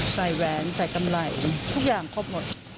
แหวนใส่กำไรทุกอย่างครบหมด